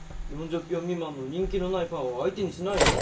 ４０票未満の人気のないパンは相手にしないの？